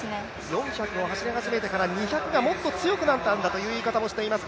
４００を走り始めてから、２００がもっと強くなったんだということを話しています